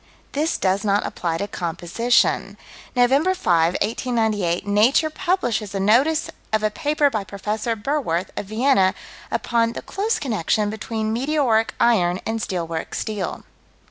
This does not apply to composition. Nov. 5, 1898, Nature publishes a notice of a paper by Prof. Berwerth, of Vienna, upon "the close connection between meteoric iron and steel works' steel."